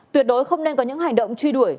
tuyệt đối không nên có những hành động truy đuổi